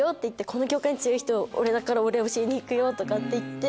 「この教科に強い人俺だから俺教えに行くよ」とかって。